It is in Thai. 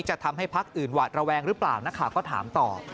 จะทำให้พักอื่นหวาดระแวงหรือเปล่านักข่าวก็ถามต่อ